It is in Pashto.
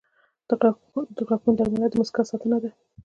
• د غاښونو درملنه د مسکا ساتنه ده.